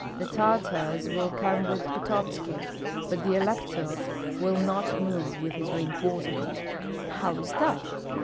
The Tartars will come with Pototski, but the elector will not move with his reinforcement." "How is that?"